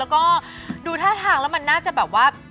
แล้วก็ดูท่าทางแล้วมันน่าจะแบบว่า